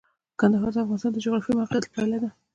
کندهار د افغانستان د جغرافیایي موقیعت پایله ده.